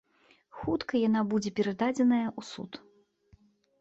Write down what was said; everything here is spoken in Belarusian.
Хутка яна будзе перададзеная ў суд.